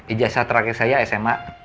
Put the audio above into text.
ijasa terakhir saya sma